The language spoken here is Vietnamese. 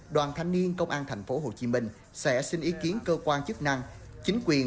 đoàn thanh niên công an tp hcm sẽ xin ý kiến cơ quan chức năng chính quyền